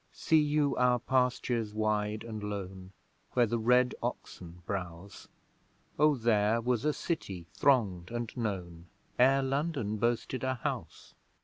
See you our pastures wide and lone, Where the red oxen browse? O there was a City thronged and known, Ere London boasted a house!